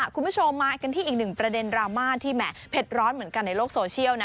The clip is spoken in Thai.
คุณผู้ชมมากันที่อีกหนึ่งประเด็นดราม่าที่แหม่เผ็ดร้อนเหมือนกันในโลกโซเชียลนะ